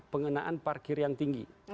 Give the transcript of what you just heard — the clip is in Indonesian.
pengenaan parkir yang tinggi